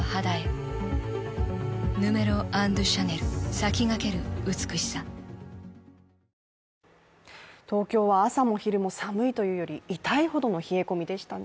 三井不動産東京は朝も昼も寒いというより痛いほどの冷え込みでしたね。